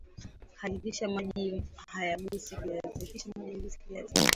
hakikisha maji hayagusi kiazi